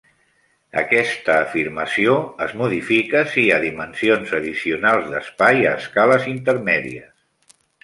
Aquesta afirmació es modifica si hi ha dimensions addicionals d'espai a escales intermèdies.